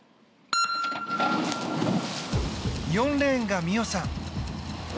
４レーンが実生さん。